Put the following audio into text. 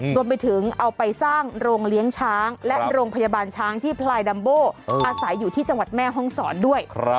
รวมไปถึงเอาไปสร้างโรงเลี้ยงช้างและโรงพยาบาลช้างที่พลายดัมโบอาศัยอยู่ที่จังหวัดแม่ห้องศรด้วย